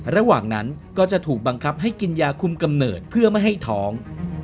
ระหว่างนั้นก็จะถูกบังคับให้กินยาคุมกำเนิดเพื่อไม่ให้ท้อง